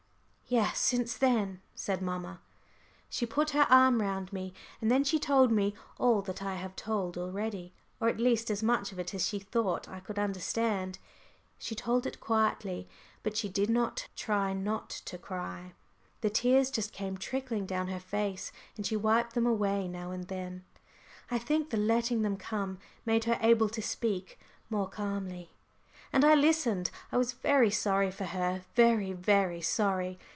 "Yes, since then," said mamma. She put her arm round me, and then she told me all that I have told already, or at least as much of it as she thought I could understand. She told it quietly, but she did not try not to cry the tears just came trickling down her face, and she wiped them away now and then. I think the letting them come made her able to speak more calmly. And I listened. I was very sorry for her, very very sorry.